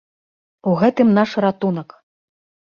У гэтым наш ратунак!